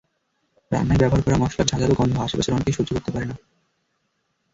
রান্নায় ব্যবহার করা মসলার ঝাঁঝালো গন্ধ আশপাশের অনেকেই সহ্য করতে পারে না।